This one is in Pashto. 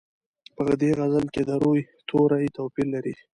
په دې غزل کې د روي توري توپیر لري.